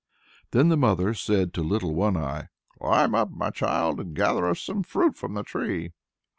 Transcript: Then the mother said to Little One Eye, "Climb up, my child, and gather us some fruit from the tree."